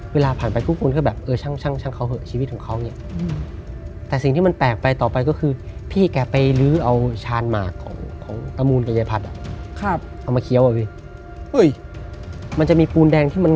เวลาผ่านไปคุณเขาคือแบบช่างเช่นเขาเหอะชีวิตของเขาแบบเนี่ยแต่สิ่งที่มันแปลกไปต่อไปก็คือพี่แกไปลื้อเอาชาญหมากของตัวมูลกับยายผัดก็เข้ามาเคี้ยวอ่ะพี่